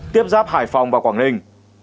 tiếp giáp hải phòng và quảng ninh